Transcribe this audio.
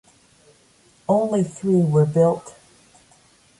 Only three were built.